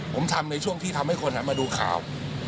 ผมทำในช่วงที่ทำให้คนหันมาดูข่าว